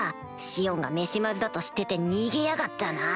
シオンがメシマズだと知ってて逃げやがったな